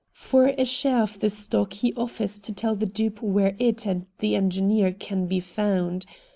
For a share of the stock he offers to tell the dupe where it and the engineer can be found.